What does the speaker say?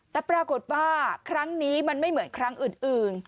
แต่ปรากฏว่าครั้งนี้มันไม่เหมือนครั้งอื่น